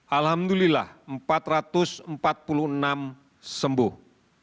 alhamdulillah empat ratus empat puluh enam sembuh